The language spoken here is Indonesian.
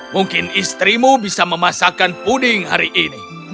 mungkin istrimu bisa memasakkan puding hari ini